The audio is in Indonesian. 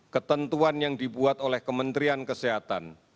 ketentuan yang dibuat oleh kementerian kesehatan